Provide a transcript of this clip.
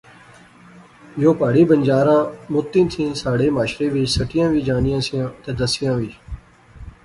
یو پہاڑی بنجاراں مدتیں تھیں ساڑھے معاشرے وچ سٹیاں وی جانیاں سیاں تہ دسیاں وی